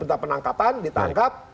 perintah penangkatan ditangkap